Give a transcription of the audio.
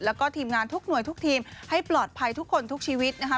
แล้วก็ทีมงานทุกหน่วยทุกทีมให้ปลอดภัยทุกคนทุกชีวิตนะคะ